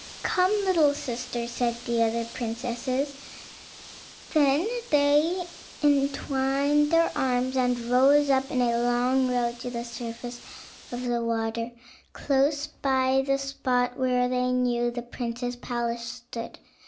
"Come, little sister," said the other princesses; then they entwined their arms and rose up in a long row to the surface of the water, close by the spot where they knew the prince's palace stood.